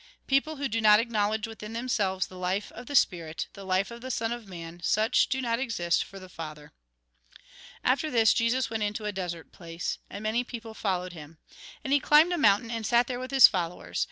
People who do not acknowledge within themselves the life of the spirit, the life of the Son of Man, such do not exist for the Father. After this, Jesus went into a desert place. And many people followed him. And he climbed a mountain, and sat there with his followers.